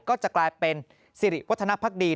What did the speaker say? ก็จะกลายเป็นสิริวัฒนภักดี